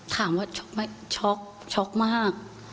ถามว่าช็อคช็อคช็อคมาก